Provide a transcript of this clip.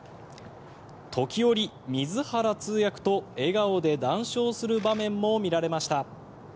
時折、水原通訳と笑顔で談笑する場面も見られました。